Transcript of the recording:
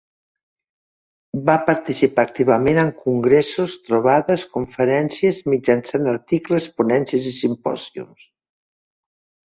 Va participar activament en congressos, trobades, conferències, mitjançant articles, ponències i simpòsiums.